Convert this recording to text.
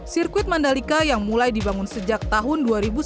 sirkuit mandalika yang mulai dibangun sejak tahun dua ribu sepuluh